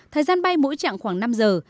thời gian bay mỗi chặng khoảng năm giờ